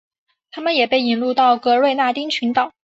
它们也被引入到格瑞纳丁群岛。